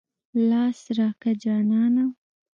لاس راکه جانانه.